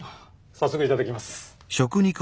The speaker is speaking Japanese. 早速いただきます。